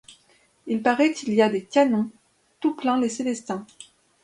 Il paraît qu'il y a des canons tout plein les Célestins.